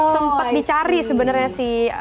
sempet dicari sebenernya si farah klingis